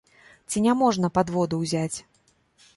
Ці няможна падводу ўзяць.